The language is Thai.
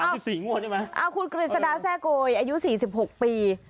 ๓๔งวดใช่ไหมอ่าคุณกริษดาแซ่โกยอายุ๔๖ปี